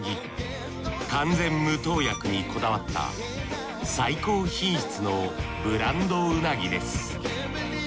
完全無投薬にこだわった最高品質のブランド鰻です。